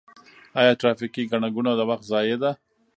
آیا ټرافیکي ګڼه ګوڼه د وخت ضایع ده؟